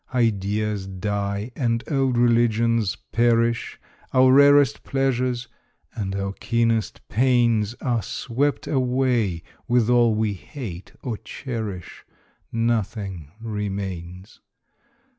Ideas die and old religions perish, Our rarest pleasures and our keenest pains Are swept away with all we hate or cherish Nothing remains.